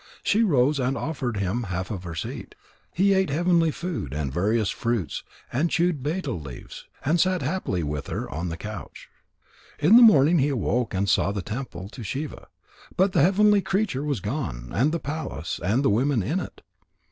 She rose and offered him half of her seat. And he ate heavenly food and various fruits and chewed betel leaves and sat happily with her on the couch. In the morning he awoke and saw the temple to Shiva, but the heavenly creature was gone, and the palace, and the women in it.